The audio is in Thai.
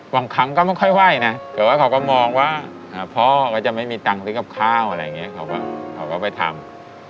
บางครั้งก็ไม่ค่อยไหว้นะแต่ว่าเขาก็มองว่าพ่อก็จะไม่มีตังค์ซื้อกับข้าวอะไรอย่างนี้เขาก็ไปทำ